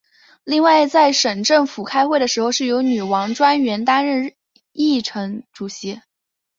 另外在省政府开会的时候是由女王专员担任议程主席。